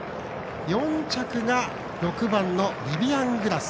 ４着が６番のリビアングラス。